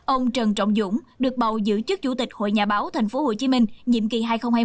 ông trần trọng dũng được bầu giữ chức chủ tịch hội nhà báo tp hcm nhiệm kỳ hai nghìn hai mươi hai nghìn hai mươi năm